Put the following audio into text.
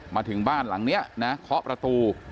มาถึงบ้านหลังนี้ข้อประตู